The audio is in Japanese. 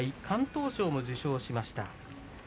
敢闘賞も受賞しました。